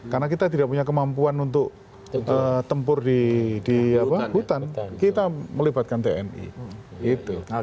karena kita tidak punya kemampuan untuk tempur di hutan kita melibatkan tni